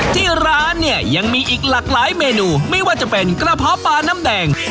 ที่ร้านเนี่ยยังมีอีกหลากหลายเมนูไม่ว่าจะเป็นกระเพาะปลาน้ำแดง